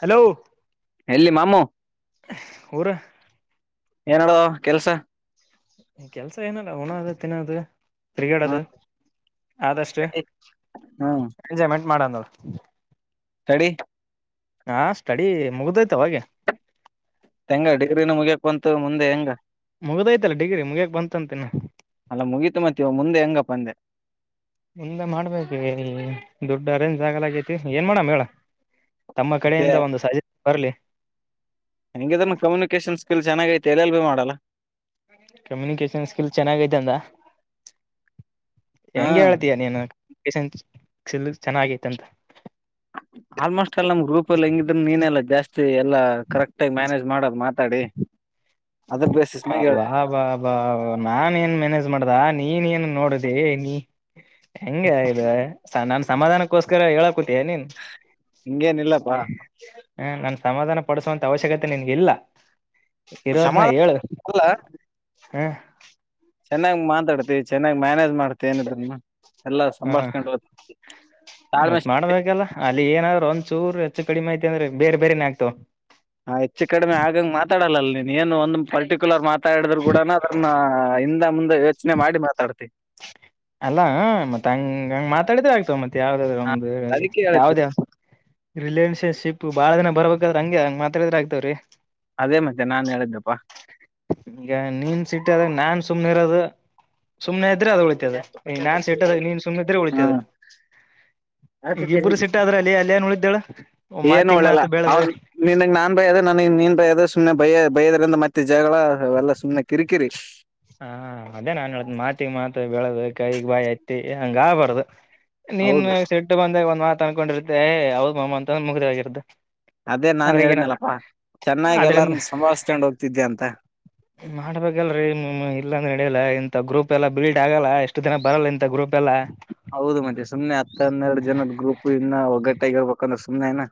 Hello ಎಲ್ಲಿ ಮಾಾಮೂ ಊರು ಏನಡುವ ಕೆಲ್ಸ ಕೆಲ್ಸ ಏನಲ್ಲ ಉಣ್ಣದು ತಿನ್ನದು ಹ ತಿರುಗಾಡದು ಆದಷ್ಟು ಸ್ಟಡಿ ಹ್ಮ ಎಂಜಾಯ್ಮೆಂಟ್ [unintelligible] ಮಾಡಣವರು ತಡಿ ಹಾ ಸ್ಟಡಿ ಮುಗ್ದಯ್ತ ಅವಗೆ ಹೆಂಗ ಡಿಗ್ರಿ ಮುಗಿಯಕ್ ಬಂತು ಮುಂದೆ ಹೆಂಗ ಮುಗ್ದೈತಲ್ಲ ಡಿಗ್ರಿ ಮುಗಿಯಕ್ ಬಂತಂತಿನ ಅಲ್ಲ ಮುಗೀತು ಮತ್ತವ ಮುಂದೆ ಹೆಂಗಪ್ಪ ಅಂದೆ ಮುಂದೆ ಮಾಡ್ಬೇಕು ದುಡ್ಡ ಅರೇಂಜ್ ಆಗಲಗೇತಿ ಏನ್ ಮಾಡೋ ಮ ತಮ್ಮ ಮತ್ತೆ ಕಡೆಯಿಂದ ಒಂದು ಸಹಾಯ ಬರಲಿ ಹೆಂಗಿದನು ಕಮ್ಯುನಿಕೇಶನ್ ಸ್ಕಿಲ್ ಚೆನ್ನಾಗ [unintelligible] ಎಲ್ ಭೀ ಮಾಡಲ್ಲ ಕಮ್ಯುನಿಕೇಶನ್ ಸ್ಕಿಲ್ ಚೆನ್ನಾಗೈತಂದ ಹಾ ಹೆಂಗಗೆ ಹೇಳ್ತಯ ನೀನು ಕಮ್ಯುನಿಕೇಶನ್ ಸ್ಕಿಲ್ ಚೆನ್ನಾಗೈತೆ ಅಂತ ಆಲ್ಮೋಸ್ಟ್ ಎಲ್ಲ ನಮ್ ಗ್ರೂಪ್ ಅಲ್ಲಿ ಹೆಂಗಿದ್ರ ನೀನೆ ಎಲ್ಲ ಜಾಸ್ತಿ ಎಲ್ಲ ಕರೆಕ್ಟ್ ಆಗಿ ಮ್ಯಾನೇಜ್ ಮಾಡೋದು ಮಾ ಮಾತಾಡಿ ಅದ್ರ ಬೇಸಿಸ್ ಮ್ಯಾಗ ಬಾ ಹೇಳ್ತಿ ಬಾ ಬಾ ನಾನ್ ಏನ್ ಮ್ಯಾನೇಜ್ ಮಾಡ್ದ ನೀನ್ ಏನ್ ನೋಡ ರ ನೀ [unintelligible] ಹೆಂಗೆ ಇದು ನಾನ್ ಸಮಾಧಾನಕ್ಕೋಸ್ಕರ ಹೇಳಕೂತಯ ನೀನ್ ಹಂಗೇನಿಲ್ಲಪ್ಪಾ ಹಾ ನಾನ್ ಸಮಾಧಾನ ಪಡಿಸುವಂತ ಅವಶ್ಯಕತೆ ನಿನ್ಗೆ ಇಲ್ಲ ಸಮಾಧಾನಲ್ಲ ಹ್ಮ ಚೆನ್ನಾಗ್ ಮಾತಾಡ್ತಿ ಚೆನ್ನಾಗ್ ಮ್ಯಾನೇಜ್ ಮಾಡ್ತಿ ಏನಿದನು ಹ್ಮ ತಾಳ್ಮೆ ಮತ್ ಮಾಡ್ಬೇಕಲ್ಲ ಅಲ್ಲಿಗೆ ಏನಾದರೂ ಒಂದು ಚೂರ್ ಹೆಚ್ಚು ಕಡಿಮಯಐತಿ ಅಂದ್ರೆ ಬೇರೆ ಬೇರೆನೆ ಆಗ್ತವೆ ನೀನು ಒಂದ ಪರ್ಟಿಕ್ಯುಲರ್ ಮಾತಾಡಿದ್ರು ಕೂಡನ ಅದನ್ನ ಹಿಂದ ಮುಂದೆ ಯೋಚನೆ ಮಾಡಿ ಮಾತಾಡ್ತಿ ಅಲ್ಲ ಮತ್ತತ್ ಹಂಗ ಹಂಗ ಮಾತಾಡಿದೆ ಆಗ್ತವೆ ಮತ್ತತ್ ಯಾವ್ದಾದ ಹ ಗೆ ಅದಕ್ಕೆ ಹೇಳಿದ್ದು ಯಾವ್ದ ಯಾವ [unintelligible] ರಿಲೇಷನ್ಶಿಪ್ ಬಾಳ ದಿನ ಬರ್ಬೇಕಾದ್ರ ಹಂಗೆ ಹಂಗ ಮಾತ್ರ್ರೆ ಆಗ್ತವ್ರೀ ಅದೇ ಮತ್ತೆ ನಾನ್ ಹೇಳಿದ್ದಪ್ಪಾ ಈಗ ನೀನ್ ಸಿಟ್ಟ ಅದಾಗ ನಾನ್ ಸುಮ್ನೆ ಇರದು ಸುಮ್ನೆ ಇದ್ರೆ ಅದು ಉಳಿತದ ನಾನ್ ಸೆಟ್ಟದಾಗ ನೀನ್ ಸುಮನೆ ಇದ್ರೆ ಉಳಿತದ ಹ್ಮ್ ಈಗ ಇಬ್ಬರು ಸಿಟ್ಟಾದ್ರ ಅಲ್ಲಿ ಅಲ್ಲೇನ್ ಉಳಿತೇಳ ಏನು ಮಾತಿಗ್ ಒಳ್ಳಲ್ಲ ಮಾತು ಬೆಳೆದು ಅವನ್ ನಿನ್ನಗ್ ನಾನ್ದ ನ್ ನೀನ್ ಬ ಸುಮ್ನೆ ಬಯ ಬಯದ್ರಿಂದ ಮತ್ತೆ ಜಗಳೆಲ್ಲ ಸುಮ್ಮನೆ ಕಿರಿಕಿರಿ ಹಾ ಅದೇ ನಾನ್ ಹೇಳಳ್ತ ಮಾತಿಗೆ ಮಾತ್ ಬೆಳೆದು ಕೈಗ್ ಬಾಯಿ ಹತ್ತಿ ಹಂಗ ಬಾರದು ನೀನ್ ಹೌದು ಸಿಟ್ಟು ಬಂದಾಗ ಒಂದ್ ಮಾತ ಅನ್ಕೊಂಡಿರತ್ತೆ ಅವದ ಮಾಮ್ಮ ಅಂತಂದ ಮುಗ್ರ ಆಗಿರ್ದ ಅದೇ ನಾನ್ ಹೇಳನಲಪ್ಪಾ ಚೆನ್ನಾಗಿ ಅದ್ರಿಂದ ಎಲ್ಲಾರನ್ನ ಸಂಭಸ್ಕ್ಯಾಂಡ್ ಹೋಗ್ತಿದ್ದೆ ಅಂತ ಮಾಡ್ಬೇಕಲ್ರರಿ ಇಲ್ಲ ಅಂದ್ರ ನಡಿಯಲ್ಲ ಇಂಥ ಗ್ರೂಪ್ ಎಲ್ಲಾ ಬಿಲ್ಡ್ ಆಗಲ್ಲ ಎಷ್ಟು ದಿನ ಬರಲ್ಲ ಇಂಂತ ಗ್ರೂಪ್ ಎಲ್ಲ ಹೌದು ಮತ್ತೆ ಸುಮ್ನೆ ಹತ್ತ ಹನ್ನೆರಡು ಜನದ ಗ್ರೂಪ್ ಇನ್ನ ಒಗ್ಗಟ್ಟಾಗಿರ್ಬೇಕಂದ್ರೆ ಸುಮನೆ ನ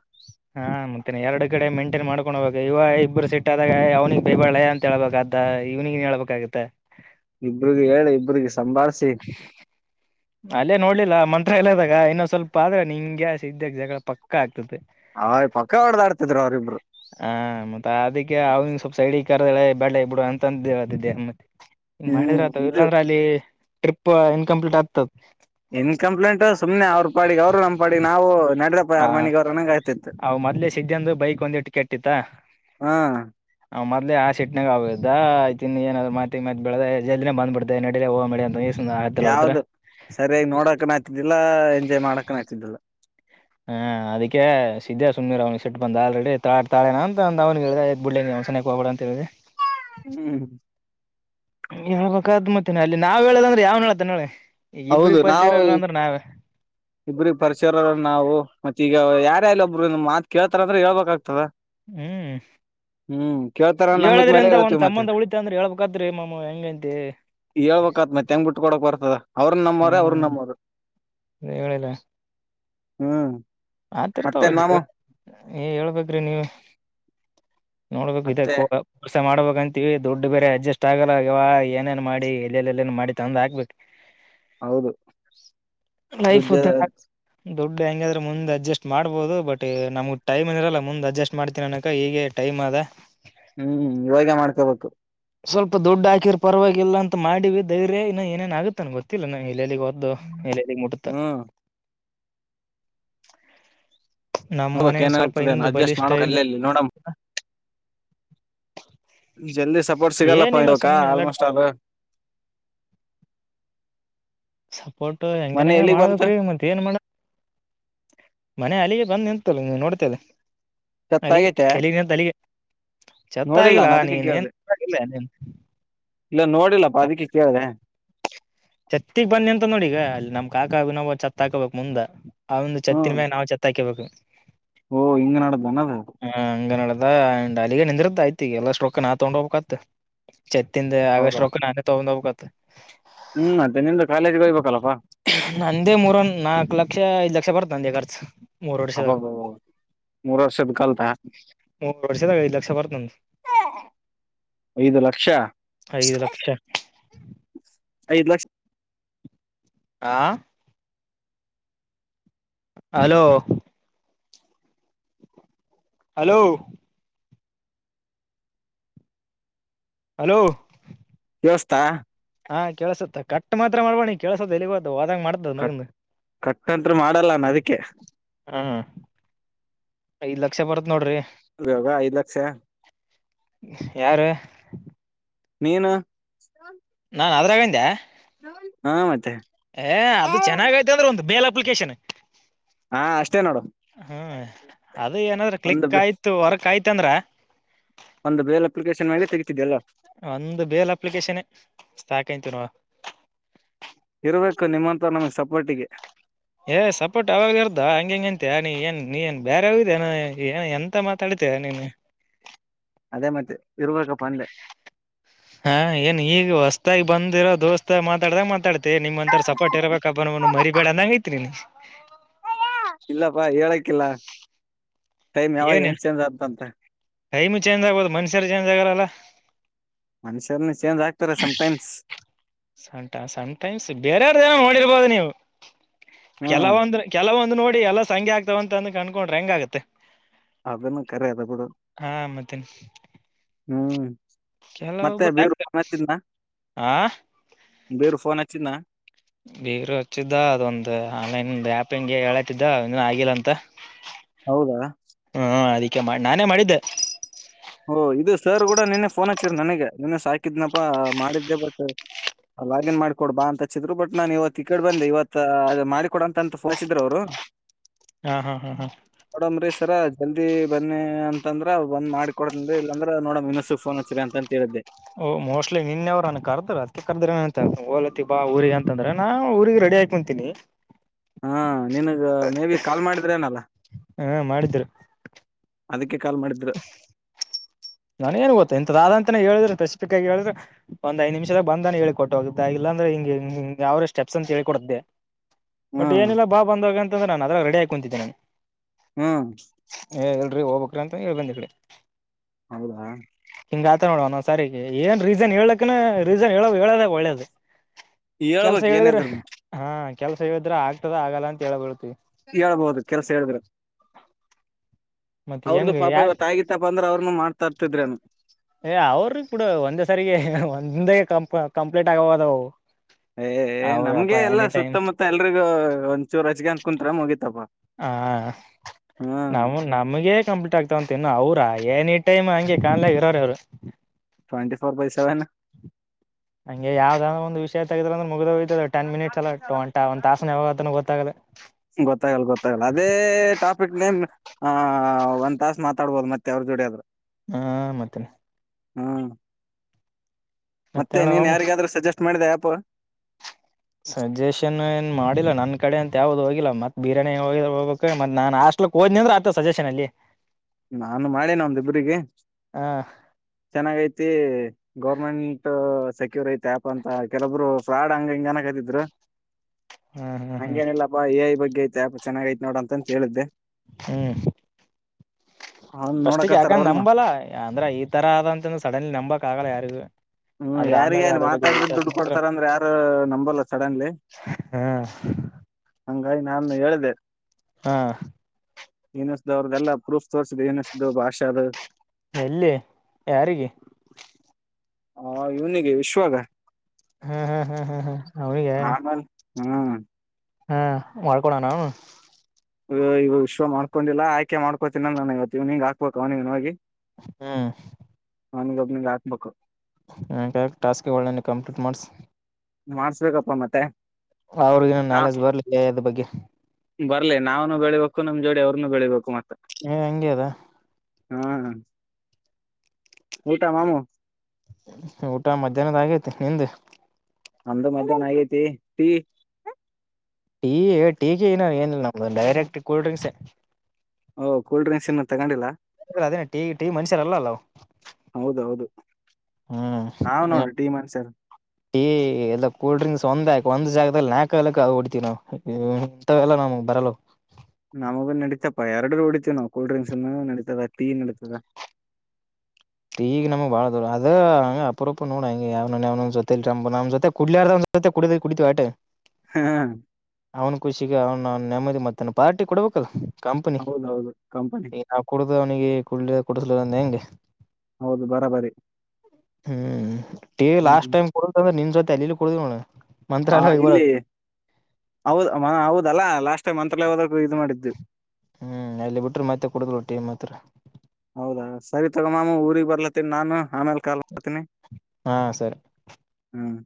ಹಾ ಮತ್ತೇನೆ ಎರಡು ಕಡೆ ಮೇಂಟೇನ್ ಮಾಡ್ಕೊಂಡು ಹಬೇಕ ಇಾಗ ಇಬ್ಬರು ಸಿಟ್ಟ ಆದಾಗ ಅವ್ನಿಗ್ ಬೈಬಾಳೆ ಅಂತೇಳ್ಬಬೇಕಕ್ದು ಈವ್ನಿಂಗ್ [unintelligible] ಹೇಳ್ಬೇಕಾಗುತ್ತೆ ಇಬ್ಬರುಗೆ ಹೇಳಿ ಇಬ್ಬರುಗೆ ಸಂಭಾಳ್ಸಿ ಅಲ್ಲೇ ನೋಡ್ಲಿಲ್ಲ ಮಂತ್ರ ಎಲ್ಲದಾಗ ಇನ್ನೊಂದ್ ಸ್ವಲ್ಪ ಆದ್ರೆ ನಿಂಗೆ ಸಿದ ಜಗಳ ಪಕ್ಕ ಆಗ್ತ ಹ್ ಪಕ್ಕ ಹೊಡ್ದ ಆಡ್ತಿದ್ರು ಅವ್ರಿಬ್ರು ಹ ಮತ್ತತ್ ಅದಕ್ಕೆ ಅವಿಗೆ ಸ್ವಲ್ಪ ಸೈಡಿ ಕದಳೆ ಬಳೆ ಬಿಡು ಅಂತಂದ ಹೇಳಿದ್ದ ಮತ್ತೆ ಹ ಹ್ಮ್ ಮಾಡಿದ್ರ ಆತವ ಇದು ಇಲ್ಲಾಂದ್ರೆ ಅಲ್ಲಿ ಟ್ರಿಪ್ ಇನ್ಕಂಪ್ಲೀಟ್ ಆಗ್ತದ ಇನ್ ಕಂಪ್ಲೇಂಟ್ ಸುಮ್ನೆ ಅವ್ರರು ಪಾಡಿಗೆ ಅವರು ನಮ್ ಪಾಡಿಗೆ ನಾವು ನಡ್ರಪ್ಪ ಹ, ಯಾರ್ ಮನೆಗ್ ಅವ್ರ ಅನ್ನಂಗ ಆಯ್ತಿತ್ತು ಅವನು ಮೊದಲೇ ಸಿದ್ದುಂದು ಬೈಕು ಒಂದು ಈಟ್ಟು, ಕೆಟ್ಟಿತು. ಹಾ [inaudible] ಆ ಮೊದಲೇ ಆಸಿಡ್ನಾಗ, ಇತ್ಯೆಂಧ, ಎನ್ನುವಾದರೂ, ಮಾಡಬೇಕು. [inaudible] ಬೆಳ್ಳಗೆ, ಬೆಳದೆ ಜಲ್ದಿನ ಬಂದುಬಿಡುತ್ತಾನೆ, ನಾಡಿರಿ, ಬೇಗ, ನಡೀರಿಯಾನುತ್ತಾನೆ, ಎಸ್ಟು.. [unintelligible] ಯಾವ್ದ, ಸರಿಯಾಗಿ, ನೋಡಕನ, ಆ್ತದ್ದಿಲ್ಲ ಎಂಜಾಯ್, ಮಾಡಕನ ಆ್ತದ್ದಿಲ್ಲ? [inaudible] ಹಾ, ಅದಕ್ಕೆ ಸಿದ್ಯ, ಸುಮ್ನೀರು, ಅವ್ನಿಗೆ ಸಿಟ್ ಬಂದ, ಆಲ್ರೆಡಿ ತಾತಾಳೆನ, ಅಂತಂದ ಅವನ. [inaudible] ಅಯ್ತು, ಹೇಳದೇ,, ಬಿಡ್ಳ್ಳ, ನೀ ಒ್ಸನ ಹೋಗ ಅಂತ ಹೇಳಿದೇ? [unintelligible] ಹ್ಮ್. [unintelligible] ಹೇಳಬೇಕು, ಮತ್ತೇನ ಅಲ್ಲಿ ನಾವ್ ಹೇಳದಂದ್ರೆ ಯಾವ್ನ್ ಹೇಳತನೆ, ಅಲ್ಲಿ. [inaudible] ಹೌದು, ನಾವು ಇಬ್ರ ಪರಿಚರ, ನಾವು ಮತ್ತ ಈಗ ಯ. [inaudible] ಇಲ್ಲ, ಒಬ್ಬರು, ಮಾತುಕೇಳುತ್ತಾರಾಂದ್ರೆ, ಹೇಳಬೇಕು, ಹಾಗುತ್ಹಾಧೆ. [unintelligible] ಹ್ಮ್. ಕೇಳ್ತಾರ [inaudible] ನಂಬಕ್ ಮೇಲೆ ಹೇಳದ್ರಿಂದ ಒಂದ್ ಹೇಳ್ತಿವಿ ಮತ್ತೆ ಸಂಬಂಧ ಉಳಿತ ಅಂದ್ರೆ! ಹೇಳುಬೇಕುಯಂಡ್ರಿ, ಮಮ್ಮ ಹೆಂಗೈಂತೆ? [inaudible] ಹೇಳ್ಬೇಕಕ್ತ್, ಮತ್ತೆ, ಹೆಂಗೆ, ಬಿಡುಕೊಡೆಕೇಬರುತೇ? [inaudible] ಅವರುನು, ನಮ್ಮೋರು, ಅವರು, ಹ್ಮ್ ನಮ್ಮರು, ಹೇಳಿಲ್ಲ ಹ್ಮ್. [inaudible] ಆತಿರ್ತಾವ, ಮತ್ತೇನ್ ಮಾಮು ಜಲ್, ಏ ಹೇಳ್ಬೇಕ್ರಿ ನೀವೂ? [unintelligible] ನೋಡಬೇಕು, ಇದೇ, ಮತ್ತೆ ಕೋರಾ? [inaudible] ಇಷ್ಟ, ಮಾಡ್ಬೇಕಂತೀವಿ ದುಡ್ ಬೇರೆ ಅಡ್ಜಸ್ಟ್ ಆಗಲ್ಲ ಅಗವಾ ಏನೇನ್ ಮಾಡಿ ಎಲೇಲಿ, ಎಲ್ಲ ಏನ್ ಮಾಡಿ ತಂದು, ಹಾಕ್ಬೇಕು? [inaudible] ಹೌದು, ದುಡ್ಡು ಜಗಳ ಆಯ್ತು. [inaudible] ದೊಡ್ಡ, ಹೆಂಗಾದ್ರ, ಮುಂದೆ. [inaudible] ಅಡ್ಜಸ್ಟ್ ಮಾಡ್ಬಹುದು! ಬಟ್ ನಮ್ಗ್ ಟೈಮ್ಏ ಇರಲ್ಲ, ಮುಂದ್ ಅಡ್ಜಸ್ಟ್ ಮಾಡ್ತೀನಿ ಅನಕ ಹೀಗೆ ಟೈಮ್, ಅದೇ? [inaudible] ಹ್ಮ್ ಇವಾಗ ಮಾಡ್ಕೋಬೇಕು ಸ್ವಲ್ಪ, ದುಡ್ ಹಾಕಿರ್ ಪರವಾಗಿಲ್ಲ! ಅಂತ ಮಾಡೀವಿ, ಧೈರ್ಯ, ಇ ಏನೇನು, ಆಗುತ್ತಾನನ್ ಗೊತ್ತಿಲ್ಲ, ನ. [inaudible] ಎಲ್ಲೆಲ್ಲೂ ಹೋಗುದೂ, ಎಲ್ಲಲೀಗೆ, ಮುಟ್ಟುತ್ತೆ? [inaudible] ಹ್ಮ್ [unintelligible] [inaudible] ನೋಡು ಬೇಕು ಮನೆಗ್ ಸ್ವಲ್ಪ ಏನಾಗುತ್ತೋ, ಏನೋ, ಹಿಂದ್ ಅಡ್ಜಸ್ಟ್ ಬಲಿಷ್ಠ ಮಾಡಬೇಕಲ್ಲ, ಇದ್ರ ಅಡ್ಜೆಸ್ಟ್, ಮಾಡಬೇಕು, ಅಲಿಯಲಿ. [inaudible] ಈ. [inaudible] ಜಲ್ದಿ, ಸಪೋರ್ಟ್ ಸಿಗಲ್ಲಪ್ಪ ಏನಿಲ್ಲ ಇಕ ಸುಮ್ನೆ ಎಲ್ಲ ಆಲ್ಮೋಸ್ಟ್ ಅದು? [inaudible] ಸಪೋರ್ಟ್, ಹೆಂಗೇನ, ಹೆಂಗನ್, ಎಲ್ಲಿಗ್ ಬಂತು ಮಾಡ್ಬೇಕ್ರೀ! ಮತ್ತೆ, ಏನ್ ಮಾಡ. [inaudible] ಮನೆ, ಅಲ್ಲಿಗೆ, ಬಂದ್ ನಿಂತಲ್ಲ! ನೀನ್ ನೋಡ್ತ್ಯಲ್ಲ? [inaudible] ಅಲ್ಲಿಗೆ, ಕತ್ತಾಗೈತೆ ಎಲ್ಲಿಗೆ, ಅಂತ, ಅಲ್ಲಿಗೆ. [inaudible] ಚತ್ತ, ನೋಡಿಲ್ಲ ಆಗಿಲ್ಲ, ನಾ ಅದಕ್ಕೆ ನೀನ್, ಏನ್, ಕೇಳ್ದೆ ಮಾಡಿಲ್ಲ, ನೀನು! [unintelligible] ಇಲ್ಲ, ನೋಡಿಲ್ಲಪ್ಪಾ! ಅದಕ್ಕೆ ಕೇಳಿದೆ? [inaudible] ಛತ್ತಿಗ್, ಬನ್ನಿ ಅಂತ ನೋಡಿ ಈಗ! ಅಲ್ಲಿ ನಮ್ ಕಾಕಾ ಅಭ ನಾವು ಛತ್ ಹಾಕೋಬೇಕಕ್ ಮುಂದ? [inaudible] ಆ, ಒಂದುಛತ್ತಿನ ಹ್ಮ್ ಮೇಲೆ ನಾವು ಚಾಥಿ, ಅಳುಬೆಕ್ಕು. [inaudible] ಓ, ಹಿಂಗ, ನಡುದಾಧ, ಅದು? [inaudible] ಅಲ್ಲ ಅ ಅಲ್ಲಿಗೆ ನಿಂದಿರುತ್ತೆ ಆಕೆಯಷ್ಟು ತಗೊಂಡು ಹೋಗಬೇಕಾಗುತ್ತೆ? [inaudible] ಚತ್ತಿಂದ, ಆಗಸ್ ಹೌದಾ ರೊಕ್ಕ ನಾನೇ ತೊಗೊಂಡ್ ಹೋಗ್ತದೇ? [inaudible] ಹ್ಮ್ ಮತ್ತೆ ನಿಂದು ಕಾಲೇಜ್ಗೆ ಹೋಗ್ಬೇಕಲ್ಲಪ್ಪಾ ನಂದೇ, ಮೂರು, ನಾಕ್ಲಕ್ಷ, ಐದ್ ಲಕ್ಷ ಬರ್ತ. [unintelligible] ನಂದೇ ಕರ್ತು. [inaudible] ಅಬ್ಬಬ್ಬಾ! [inaudible] ಮೂರು, ವರ್ಷದ, ಐದು, ಲಕ್ಷ ಬರುತ್ತೆ ನಂದು! ಐದು ಲಕ್ಷ [inaudible] ಐದು, ಲಕ್ಷ. [inaudible] ಐದ್, ಲಕ್ಷ. [inaudible] ಆ! [inaudible] ಹಲೋ! [inaudible] ಹಲೋ! [inaudible] ಹಲೋ? [inaudible] ದೋಸ್ತ! [inaudible] ಹಾ, ಕೇಳುಸುತ್ತೆ, ಕಟ್ ಮಾತ್ರ ಮಾಡಬೇಡ! ಕೇಳುಸುತ್ತೇ, ಹೇಳಿಯೋಗು. [inaudible] ಹೋದಾಗ, ಮಾಡ್ತೀನಿ, ಕಟ್ ನನಗೇನು, ಕಟ್ಟಂತ್ರ ಮಾಡಲ್ಲ ನಾ ಅದಕ್ಕೆ ಹಾ. [inaudible] ಐದ್, ಲಕ್ಷ, ಬರುತ್ತೆ, ನೋಡ್ರಿ? ಇವಾಗ ಐದ್ ಲಕ್ಷ [inaudible] ಯಾರು ನೀನು ಹಾ ಅದ್ರಾಗಂದೆ ಹಾ ಮತ್ತೆ ಏ ಅದು ಹಾ ಚೆನ್ನಾಗ್ಐ್ತ ಅಂದ್ರೆ ಒಂದು ಬೇಲ್ ಅಪ್ಲಿಕೇಶನ್ ಅಷ್ಟೇ ನೋಡು ಹ್ಮ ಅದ ಏನಾದ್ರೆ ಒಂದು ಕ್ಲಿಕ್ ಆಯ್ತು ವರ್ಕ್ ಆಯ್ತು ತ್ತಂದ್ರೆ ಒಂದು ಬೇಲ್ ಅಪ್ಲಿಕೇಶನ್ ಮಾಡಿ ತೆಗಿತಿದ್ದೆ ಎಲ್ಲ ಒಂದು ಬೇಲ್ ಅಪ್ಲಿಕೇಶನ್ ಸಾಕಾಯತು ನ [unintelligible] ಇರ್ಬೇಕು ನಿಮ್ಮಂತ ನಮಗ್ ಸಪೋರ್ಟಿಗೆ ಏ ಸಪೋರ್ಟ್ ಅವಾಗ ಇರ್ ಹಂಗ ಹೆಂಗೆ ಅಂತೆ ನೀ ಏನ್ ನೀನ್ ಬೇರೆ ಅವ ಏ ಎಂತ ಮಾತಾಡ ತ್ತ ನಿನ್ನನೆ ಅದೇ ಮತ್ತೆ ಇರ್ಬೇಕಪ್ಪಂದೆ ಹಾ ಏನ್ ಈಗ ಹೊಸತಾಗಿ ಬಂದಿರೋ ದೋಸ್ತ ಮಾತಾಡ್ದಾಗ ಮಾತಾಡ್ತಿ ಮ ನಿಮ್ಂತ ಸಪರ್ಟ್ ಇರರ್ಬೇಕಪ್ಪ ಬ ಮರಿ ಬೇಡ ಅಂಗ ಐತ್ರಿ ನೀ ಇಲ್ಲಪ್ಪಾ ಹೇಳಕ್ಕಿಲ್ಲ ಟೈಮ್ ಯಾವಾಗ ಎಂಗ್ಸ್ ಚೇಂಜ್ ಆತು ಅಂತೆ ಮ್ ಚೇಂಜ್ ಆಗ್ಬಹದು ಮನುಷ್ಯರು ಚೇಂಜ್ ಆಗಾರಲ್ಲ ಮನುಷ್ಯರನ್ನ ಚೇಂಜ್ ಆಗ್ತಾರೆ ಸಮ್ಟಮ್ಸ್ ಟ ಸಂಟೈಮ್ಸ್ ಬೇರೆಯವರ ದನ ನೋಡಿರ್ಬೋದು ನೀವು ಹ್ಮ್ ಕೆಲವೊಂದು ಕೆಲವೊಂದು ನೋಡಿ ಎಲ್ಲ ಸಂಆಗ್ತಾವ ಅ ಕಕೊಂಡ್ರೆ ಹೆಂಗ ಆಗತ್ತೆ ಅದನ್ನು ಕರದ ಬಿೂಡ ಹಾ ಹ್ಮ್ ಕೆಲ ಮತ್ತೆ ಬೇರು ಫೋನ್ ಹಚ್ಚಿದ್ನ ಆ ಬೇರು ಫೋನ್ ಹಚ್ಚಿದ್ನ ಬೇಗ್ರ ವಚ್ಚದಾ ಅದು ಒಂದು ಆನ್ಲೆನ್ ಒ ಆಪ್ ಪ್ಪ ಹೆಂಗೆ ಹೇಳತಿದ್ದ ಇನು ಆಗಿಲ್ಲ ಅಂತ ಹೌದಾ ಓಕೆ ಮಾಡಿ ನಾನೇ ಮಾಡಿದ್ದೆ ಹಓ ಇದು ಸರ್ ಕೂಡ ನಿನ್ನೆ ಫೋನ್ ಹಚ್ಚಿರ ನನಗೆ ನಿನ್ನೆ ಸಾಕಿದ್ನಪಾ ಮಾಡಿದ್ದೆ ಬಟ್ ಲಾಗಿನ್ ಮಾಡ್ಕೊಡ್ ಬಾ ಅಂತ ಹಚ್ಚಿದ್ರು ಬಟ್ ನಾನ್ ಇವತ್ತು ಟಿಕೆಟ್ ಬಂದೆ ಇವತ್ ಅದು ಮಾಡಿಕೊಡ ಅಂತ ಫೋಸಿದ್ರು ಅವ್ರು ಹಾ ಹಾ ಹಾ ಹಾ ನೋಡಂಬ್ರೀರ ಜಲ್ದಿ ಬನ್ನಿ ಅಂತಂದ್ರ ಬಂದ್ ಮಾಡ್ಕ ಕೊಡ್ತ ಇಲ್ಲಂದ್ರ ನೋಡ ವಿನಸುಫೋನ್ಚ್ರಿ ಅಂತ ಹೇಳಿದ್ದೆ ಓ ಮೋಸ್ಟ್ ನಿನ್ನೆವರುನ್ ಕರ್ದ ಅತ್ತ ಕರ್ದ್ರ ಅಂತ ಓಲತ್ತತಿ ಬಾ ಊರಿಗೆ ಅಂತಂದ್ರ ನಾ ಊಗರ ಕಡಿ ಹಯಕ ಕುಂತೀನಿ ಹಾ ನಿನಗ ಮೇ ಬಿ ಕಾಲ್ ಮಾಡಿದ್ರೆ ನಲ್ಲ ಹಾ ಮಾಡಿದ್ರು ಅದಕ್ಕೆ ಕಾಲ್ ಮಾಡಿದ್ರ ನಾನೇಏನ್ ಗೊತ್ತ ಎಂತದ ಅಂತೇ ಹೇಳಿದ್ರೆ ಸ್ಸಿಕ್ ಆಗ ಹೇಳ್ರೆ ಒಂದ್ ಐ್ಮ ನಿಮಿಷಾಗ ಬಂದಾನ ಹೇಳಿ ಕೊಟ್ಟೋಗ ಇದಾಗಿಲ್ಲ ದ್ರೆ ಹಿಂಗ ಯಾವ್ರ ಸ್ಟೆಪ್ಸ್ ಅಂತ ಹೇಳಿ ಕೊಡ್ದೆ ಬಟ್ ಹ್ಮ್ ಏನಿಲ್ಲ ಬಾ ಬಂದಾಗ ಅಂತ್ರೆ ನಾನ ಅದ್ರೆ ರೆಡಿ ಹಾಕೊಂತಿದ್ದಿ ನಾನು ಹ್ಮ್ ಹೋಗ್ಬೇಕಕ್ ಅಂತ ಹೇಳಿ ಬಂದ್ ಈ ಕಡೆ ಹೌದಾ ಹಿಂಗ ಆತ ನೋಡುವಣ ನ ಸರಿ ಏನ್ ರೀಸನ್ ಹೇಳಕನ ರೀಸನ್ ಹೇಳ ಹೇಳದ ಒಳ್ಳೇದು ಕೆಲ್ಸ ಹೇಳ್ಬೇಕ್ ಹೇಳಿದ್ರೆ ಏನಿದ್ರ ಹಾ ಕೆಲ್ಸ ಹೇಳಿದ್ರೆ ಆಗ್ತದ ಆಗಲ್ಲ ಅಂತ ಹೇಳ್ತಿವಿ ಹೇಳ್ಬಹದು ಕೆಲಸ ಹೇಳಿದ್ರೆ ಮತ್ತೆ ಹೆಂಗ ಅವ್ರ್ಪಾಪ ಯ ಇವತ್ತುಗತ್ತಪ್ಪ ಅಂದ್ರ ಅವ್ರನು ಮಾಡ್ತಾಡ್ತಿದ್ರೇನು ಏ ಅವ್ರ ಕೂಡ ಒಂದೇ ಸಾರಿಗೆ ಒಂದೇ ಕಂಪ್ ಕಂಪ್ಲೀಟ್ ಆಗದವು ಏ ನಮ್ಗೆ ಎಲ್ಲಾ ಟೈಮ್ ಸುತ್ತಮುತ್ತ ಎಲ್ರಿಗೂ ಒಂಚೂರು ಹಚ್ಚಿಕೊಂಡು ಕುತರ ಮುಗಿತಪ್ಪ ಹ ಹ್ಮ್ ನವುನಮಗೆ ಕಂಪ್ಲೀಟ್ ಆಗ್ತಾವಂತ ನು ಅವವು ಏನಿ ಟೈಮ್ ಹಂಗೆ ಕಾಣಲ ಇರೋರ ಅವರು ಟ್ವೆಂಟಿ ಫೋರ್ ಬೈ ಸೆವೆನ್ ಹಂಗೆ ಯಾವ್ದದಾದ ಒಂದು ವಿಷಯ ತಗ್ರಂದ್ರೆ ಮುಗ್ದಹೋಯ್ತು ಟೆನ್ ಮಿನಿಟ್ಸ್ ಎಲ್ಲ ಒಂಟ ಒಂದ್ ತಾಸನ ಯಾವಾಗ ಗೊತ್ತಾಗದೆ ಗೊತ್ತಾಗಲ್ಲ ಗೊತ್ತಾಗಲ್ಲ ಅದೇ ಟಾಪಿಕ್ ನೇಮ್ ಹ ಒಂದ್ ತಾಸ ಮಾತಾಡ್ಬೋದು ಮತ್ತೆ ಅವ್ರರು ಜೋಡಿ ಆದ್ರರು ಹಾ ಮತ್ತೇನೆ ಹ್ಮ್ ಮತ್ತೆ ಮತ್ತೇನ ನೀನ್ ಯಾರಿಗಾದ್ರೂ ಸಜೆಸ್ಟ್ ಮಾಡಿದೆ ಯಾಪ್ ಯಾವ್ದ್ ಹೋಗಿಲ್ಲ ಮತ್ ಬಿರ್ಯಾನಿ ಹ ಹೋಗಕ್ ಮತ್ ನಾನ್ ಹಸ್ಟಲ ಹೋದ್ನ ಅಂದ್ರೆ ಆತ ಸಜೆಷನ್ ಅಲ್ಲಿ ನಾನು ಮಾಡೇನ ಒಂದಿಬ್ಬ್ರರಿಗೆ ಹ ಚೆನ್ನಾಗ ಐಟಿ ಗೌರ್ಮೆಂಟ್ ಸೆಕ್ಯೂರ್ ಐತೆ ಆಪ್ ಅಂತ ಕೆಲೊಬ್ರು ಫ್ರಾಡ್ ಹಂಗ ಹಿಂಗ ಜನಕತಿದ್ರು ಹ್ಮ್ ಹ್ಮ್ ಹಂಗೇಏನಿಲ್ಲಪ್ಪಾ ಎ ಐ ಬಗ್ಗೆ ಐತೆ ಅ ಚೆಗ ಐತ್ ನೋಡ ಅಂತಂತ ಹೇಳಿದ್ದೆ ಹ್ಮ್ ಅವ್ನ್ ಪ್ರಸ್ಕ್ಕೆ ನೋಡಕತ್ತಾರ ಯಾಕಂದ ಅವ್ರನು ನಂಬಲ್ಲ ಅಂದ್ರ ಈ ತರ ಆದಂತ ಸಡನ್ಲಿ ನಂಬಕ್ ಆಗಲ್ಲ ಯಾರಿಗೆ ಹ್ಮ್ ಯಾರಿಗ ಏನ್ ಮಾತಾಡಿದ್ರ ವಿಶ್ವಾಸ ದುಡ್ಡು ಮಾಡಿದ್ರ ಕೊಡ್ತಾರ ಅಂದ್ರ ಯಾರು ನಂಬಲ್ಲ ಸಡನ್ಲಿ ಹಾ ಹಂಗಾಗಿ ನಾನು ಹೇಳಿದೆ ಹಾ ಯನಸ್ದ ಅವ್ರ್ದಲ್ಲಾ ಪ್ರೂಫ್ ತೋರ್ರಿಸಿದ್ ಯನಸದ ಭಾಷದು ಎಲ್ಲಿ ಯಾರಿಗೆ ಹಾ ಇವನಿಗೆ ವಿಶ್ವಾಗ ಹ್ಮ್ ಹ್ಮ್ ಹ್ಮ್ ಹ್ಮ್ ಹಾ ಅವನೀಗ ಆಮೇಲೆ ಹ್ಮ್ ಹ್ಮ ಮಾಡ್ಕೊಂಡನ ಅವನು ಈ ವಿಶವ ಮಾಡ್ಕೊಂಡಿಲ್ಲ ಆಯ್ಕೆ ಮಾಡ್ಕೊತೀನ ನಾನ ಇವತ್ತು ಇವಗ್ ಹಾಕ್ಬೇಕಕ್ ಅವನಿಗೆ ಹೋಗಿ ಹ್ಮ್ ನನಗ ಒಬ್ನಿಗೆ ಹಾಕ್ಬೇಕು ನಾ ಟಾಸ್ಕ್ ಒಳ್ಳೆನೆ ಕಂಪ್ಲೀಟ್ ಮಾಡ್ಸು ಮಾಡಸ್ಬೇಕಪ್ಪ ಮತ್ತೆ ಅವ್ರಿಗಿನ ನಾಲೆಜ್ ಬರ್ಲಿ ಅದ್ರ ಬಗ್ಗೆ ಬರ್ಲಿ ನಾವನು ಬೆಳಿಬೇಕ ನಮ್ಮ ಜೋಡಿ ಅವ್ರನು ಬೆಳಿಬೇಕುತ್ತೆ ಏ ಹಂಗೆ ಅದ ಹ್ಮ್ ಊಟ ಮಾಮು ಊಟ ಮಧ್ಯಾಹ್ನದ ಆಗೈತಿ ನಿಂದು ಅಂದು ಮಧ್ಯಾಹ್ನ ಆಗೈತಿ ಟೀ ಟೀ ಟೀ ಕ ನ ಏನಿಲ್ಲ ನಮ್ದ ಡೈರೆಕ್ಟ್ ಕೂಲ್ ಡ್ರಿಂಕ್ಸ ಓಹ ಕೋಲ್ ಡ್ರಿಂಕ್ಸ್ ಇನ್ನೂ ತಗೊಂಡಿಲ್ಲಾ ಅದೇ ಟಿ ಟಿವ ಮನುಷ್ಯರಲ್ಲಲ್ಲವು ಹೌದ ಹೌದು ಹ್ಮ್ ನಾವ್ ನೋಡ್ರಿ ಟೀ ಮನ್ಷ್ಯರ್ ಟೀ ಎಲ್ಲ ಕೂಲ್ಡ್ರಿಂಕ್ಸ್ ಒಂದ ಒಂದ್ ಜಾಗದಲ್ಲಿ ನಾಕಕ ಹೊಡ್ತಿವಿ ನಾವವು ಇಥವೆಲ್ಲಾ ನಮ್ ಬರಲ್ಲ ನಮಗ ನಡೀತಪ್ಪಾ ಎರಡು ನೋಡಿತ ನ ಕೋಲ್ಡ್ ಡ್ರಿಂಕ್ಸ್ ನಡೀತದ ಟೀ ನಡೀತಾದ ಈಗ ನಮ್ಗ್ ಬಾಳ ದೂರ ಅದ ಹಂಗ ಅಪರಪ್ಪ ನೋಡಾಂಗ ಯಾವವ ಜೊಲ್ ನಮ್ಮ ಜೊತೆ ಕುಡಿಲರ್ಡ್ ಕುಡತ ಕುಡಿತಯೆ ಹಾ ಅವ್ನ್ ಖುಷಿಗೆ ಅವ್ನ ಅವ್ ನೆಮ್ಮದಿತ್ತ ಪಾರ್ಟಿ ಕೊಡ್ಬೇಕಲ್ ಕಂಪನಿ ಹೌದೌದು ಕಂಪನಿ ಈಗ ನಾವು ಕುಡುದ ಅವನಿಗೆ ಕುಡ್ ಕುಡಲಿಲ್ಲಂದ ಹೆಂಗೆ ಹೌದು ಬರಬರಿ ಹ್ಮ್ ಟ ಹ್ಮ್ ಲಾಸ್ಟ್ ಹ್ಮ್ ಟೈಮ್ ಕೊ ಅಂದ್ರೆ ನಿನ್ ಸ ತಲ್ಲಿಲಿ ಕುೂಡುದುಣ ಹಾ ಇಲ್ಲಿ ಹೌದ ಮ ಹೌದಲ್ಲಾ ಲಾಸ್ಟ್ ಟೈಮ್ ಅಂತ್ರಲ್ಲ ಹೋದ ಹ್ಮ್ ಅಲ್ಲಿ ಬಿಟ್ರೆ ಮತ್ತೆ ಕುಡುದ್ರು ಟೀಮ್ ಹತ್ರ ಹೌದಾ ಸರಿ ತಗೊ ಮಾಮ್ಮ ಊರಿಗೆ ಬರ್ಲತ್ತನಿ ನಾನು ಆಮೇಲ್ ಕಾಲ್ ಮಾಡ್ತಿನಿ ಹಾ ಸರಿ ಹ್ಮ್